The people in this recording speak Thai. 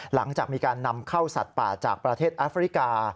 หลังจากมีการนำเข้าสัตว์ป่าจากประเทศแอฟริกา